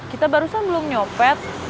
kita barusan belum nyopet